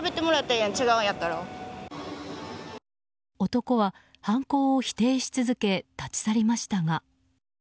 男は犯行を否定し続け立ち去りましたが。